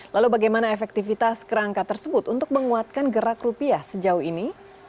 lalu bagaimana efektivitas kerangka tersebut untuk menguatkan gerak rupiah sejauh ini